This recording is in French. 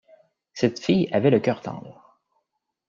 Cette fille avait le cœur tendre.